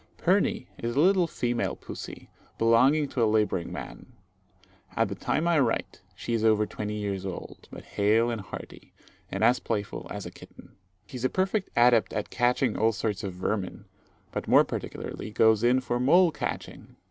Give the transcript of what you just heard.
Pirnie is a little female pussy, belonging to a labouring man. At the time I write, she is over twenty years old; but hale and hearty, and as playful as a kitten. She is a perfect adept at catching all sorts of vermin, but more particularly goes in for mole catching.